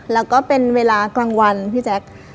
แล้วก็เป็นเวลากลางวันพี่แจ๊ค